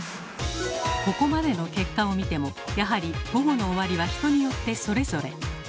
ここまでの結果を見てもやはり「午後の終わり」は人によってそれぞれ。